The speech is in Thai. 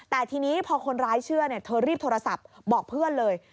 แต่ทีนี้พอคนร้ายเชื่อเธอรีบโทรศัพท์บอกเพื่อนเลย